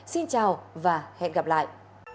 xin chào và hẹn gặp lại